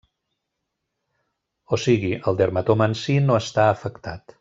O sigui, el dermatoma en si no està afectat.